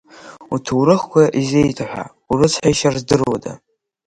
Уҭоурыхқәа изеиҭаҳәа, урыцҳаишьар здыруада!